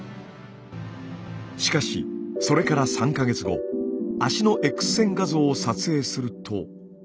しかしそれから３か月後足のＸ線画像を撮影すると。